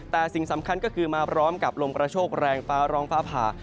แต่สิ่งสำคัญก็คือมาพร้อมกับลมกระโชคแรงฟ้าร้องฟ้าผ่า